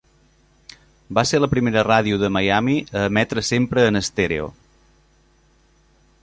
Va ser la primera ràdio de Miami a emetre sempre en estèreo.